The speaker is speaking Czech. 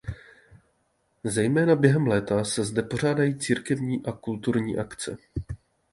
Zejména během léta se zde pořádají církevní a kulturní akce.